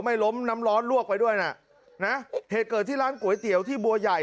ไม่ล้มน้ำร้อนลวกไปด้วยน่ะนะเหตุเกิดที่ร้านก๋วยเตี๋ยวที่บัวใหญ่